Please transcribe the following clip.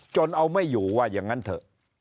จนเอาไม่อยู่ว่าอย่างนั้นเถอะ